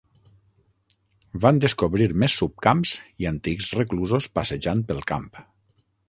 Van descobrir més subcamps i antics reclusos passejant pel camp.